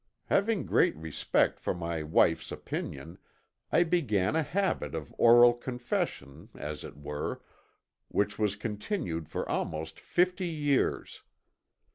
Having great respect for my wife's opinion, I began a habit of oral confession, as it were, which was continued for almost fifty years.